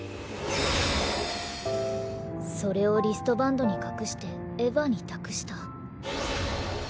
それをリストバンドに隠してエヴァに託した。